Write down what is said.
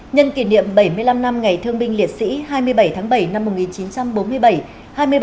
nhân kỷ niệm bảy mươi năm năm ngày thương binh liệt sĩ hai mươi bảy tháng bảy năm một nghìn chín trăm bốn mươi bảy